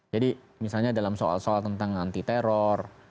jadi misalnya dalam soal soal tentang anti teror